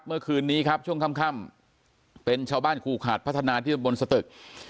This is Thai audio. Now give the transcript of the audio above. เมื่อคืนนี้ครับช่วงค่ำเป็นชาวบ้านคู่ขาดพัฒนาที่ตะบนสตึก